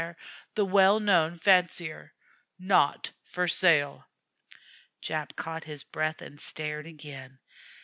the well known fancier. (Not for sale.)" Jap caught his breath and stared again.